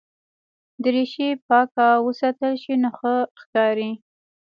دریشي پاکه وساتل شي نو ښه ښکاري.